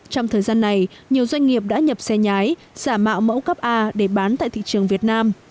trong thời gian này nhiều doanh nghiệp đã nhập xe nhái giả mạo mẫu cấp a để bán tại thị trường việt nam